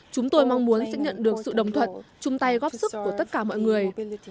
chúng tôi mong muốn sẽ nhận được sự đồng thuận chung tay góp sức của tất cả mọi người